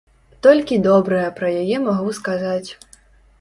Толькі добрае пра яе магу сказаць.